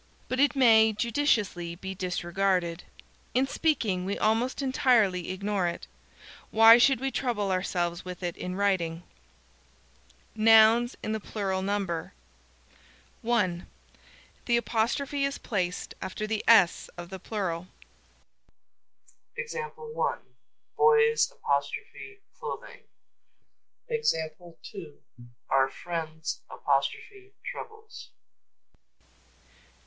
But it may judiciously be disregarded. In speaking we almost entirely ignore it. Why should we trouble ourselves with it in writing? _Nouns in the plural number _ (1) The apostrophe is placed after the "s" of the plural. Boys' clothing. Our friends' troubles.